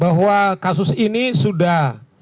bahwa kasus ini sudah